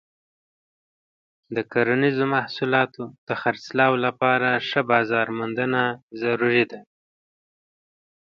د کرنیزو محصولاتو د خرڅلاو لپاره ښه بازار موندنه ضروري ده.